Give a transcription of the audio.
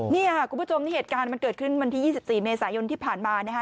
นี่ค่ะคุณผู้ชมนี่เหตุการณ์มันเกิดขึ้นวันที่๒๔เมษายนที่ผ่านมานะฮะ